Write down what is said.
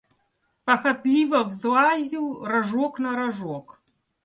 Похотливо взлазил рожок на рожок.